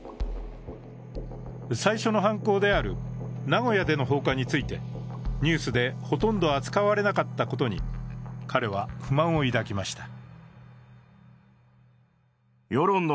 最初の犯行である名古屋での放火について、ニュースでほとんど扱われなかったことに、彼は不満を抱きました。